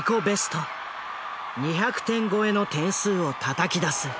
ベスト２００点超えの点数をたたき出す。